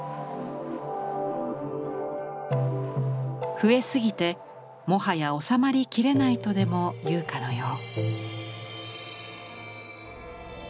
増えすぎてもはや収まりきれないとでもいうかのよう。